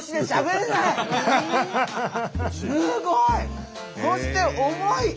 すごい！そして重い！